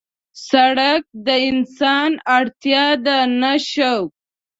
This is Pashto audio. سړک د انسان اړتیا ده نه شوق.